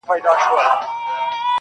ځوان د تکي زرغونې وني نه لاندي_